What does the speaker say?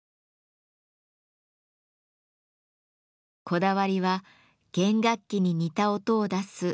こだわりは弦楽器に似た音を出すこの「ストップ」。